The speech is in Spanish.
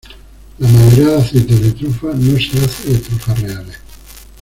La mayoría de aceites de trufa no se hace de trufas reales.